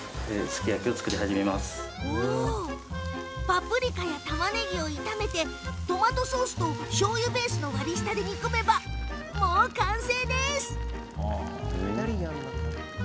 パプリカやたまねぎを炒めてトマトソースとしょうゆベースの割り下で煮込めば、もう完成です。